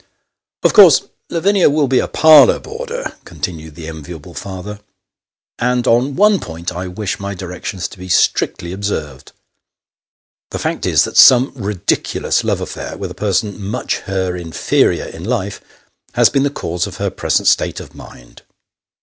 "Of course, Lavinia will be a parlour boarder," continued the enviable father ;" and on one point I wish my directions to be strictly observed. The fact is, that some ridiculous love affair, with a person much her inferior in life, has been the cause of her present state of mind.